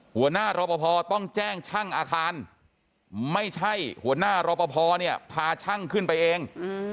หัวหน้ารอปภต้องแจ้งช่างอาคารไม่ใช่หัวหน้ารอปภเนี่ยพาช่างขึ้นไปเอง